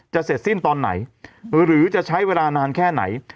เสร็จสิ้นตอนไหนหรือจะใช้เวลานานแค่ไหน